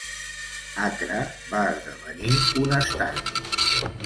Accra va esdevenir un estat.